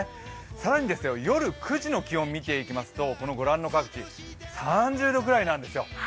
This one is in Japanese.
更に、夜９時の気温を見ていきますと各地３０度くらいなんですよ。